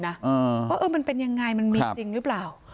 ว่ามันเป็นยังไงมันมีจริงหรือเปล่า